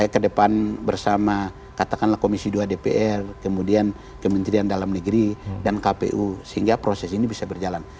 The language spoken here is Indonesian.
kedepan bersama katakanlah komisi dua dpr kemudian kementerian dalam negeri dan kpu sehingga proses ini bisa berjalan